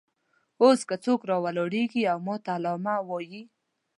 اوس که څوک راولاړېږي او ماته علامه وایي.